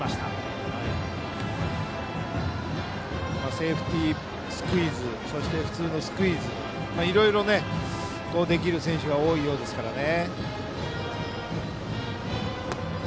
セーフティースクイズそして普通のスクイズいろいろできる選手が多いようですからね。